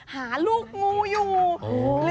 หาลูกงูอยู่